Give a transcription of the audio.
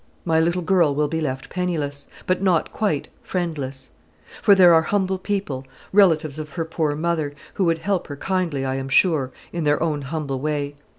My little girl will be left penniless, but not quite friendless; for there are humble people, relatives of her poor mother, who would help her kindly, I am sure, in their own humble way.